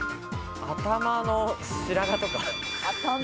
頭の白髪とか？